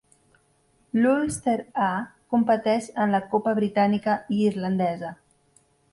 L'Ulster "A" competeix en la Copa britànica i irlandesa.